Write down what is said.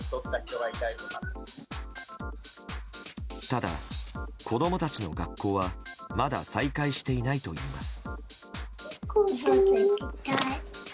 ただ子供たちの学校はまだ再開していないといいます。